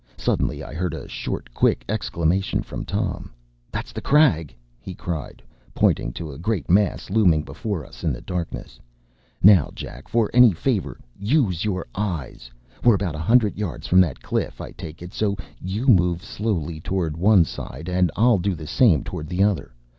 Suddenly I heard a short, quick exclamation from Tom. “That’s the crag!” he cried, pointing to a great mass looming before us in the darkness. “Now, Jack, for any favour use your eyes! We’re about a hundred yards from that cliff, I take it; so you move slowly toward one side and I’ll do the same toward the other.